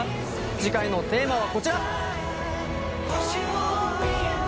次回のテーマはこちら！